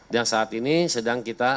dan saat ini sedang kita